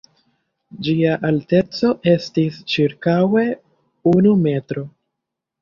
Ĝia alteco estis ĉirkaŭe unu metro.